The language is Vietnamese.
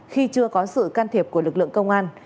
khi chưa có sự can thiệp của lực lượng công an